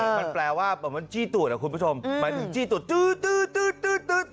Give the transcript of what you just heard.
มันแปลว่าแบบว่ามันจี้ตูดอ่ะคุณผู้ชมแบบจี้ตูดดูดตูด